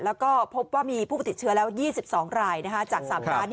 แล้วก็พบว่ามีผู้ติดเชื้อแล้ว๒๒รายจาก๓ร้าน